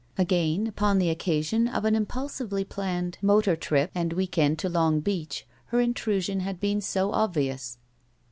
Again, upon the occasion of an impulsively planned 39 SHE WALKS IN BEAUTY motor trip aad week end to Long Beach, her intrusion had been so obvious.